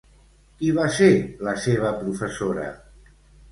Qui va ser la seva professora?